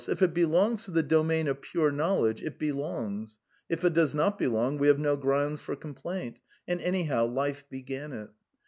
If it belongs to the domain of pure/ knowledge, it belongs; if it does not belong, we have no| grounds for complaint ; and anyhow Life began it.